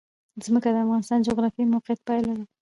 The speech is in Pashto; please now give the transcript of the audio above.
ځمکه د افغانستان د جغرافیایي موقیعت پایله ده.